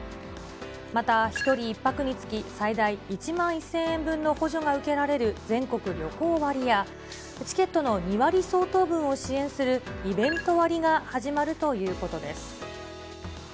また１人１泊につき最大１万１０００円分の補助が受けられる全国旅行割や、チケットの２割相当分を支援するイベント割が始まるということです。